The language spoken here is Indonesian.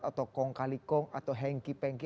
atau kong kali kong atau hengki pengki